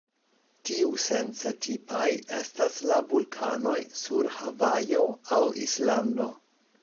Tiusence tipaj estas la vulkanoj sur Havajo aŭ Islando.